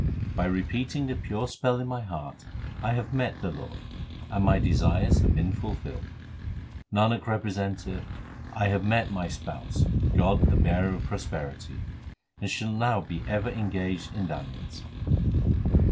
By repeating the pure spell in my heart I have met the Lord, and my desires have been fulfilled. Nanak representeth, I have met my Spouse, God the Bearer of prosperity ; and shall now be ever engaged in dalliance.